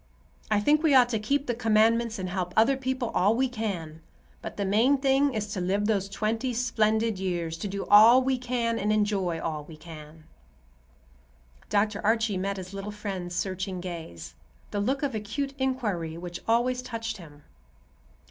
I think we ought to keep the Commandments and help other people all we can; but the main thing is to live those twenty splendid years; to do all we can and enjoy all we can." Dr. Archie met his little friend's searching gaze, the look of acute inquiry which always touched him.